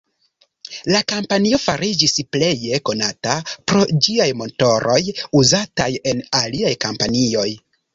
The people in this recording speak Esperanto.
La kompanio fariĝis pleje konata pro ĝiaj motoroj uzataj en aliaj kompanioj.